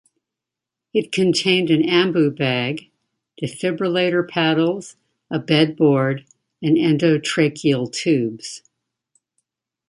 It contained an Ambu bag, defibrillator paddles, a bed board and endotracheal tubes.